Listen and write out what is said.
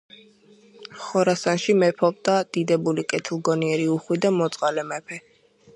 ხორასანში მეფობდა დიდებული კეთილგონიერი უხვი და მოწყალე მეფე